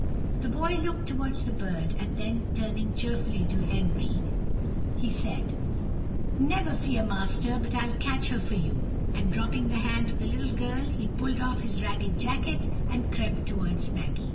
The boy looked towards the bird, and then, turning cheerfully to Henry, he said: "Never fear, master, but I'll catch her for you;" and, dropping the hand of the little girl, he pulled off his ragged jacket, and crept towards Maggy.